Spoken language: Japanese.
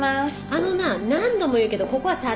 あのな何度も言うけどここは茶店じゃねぇ。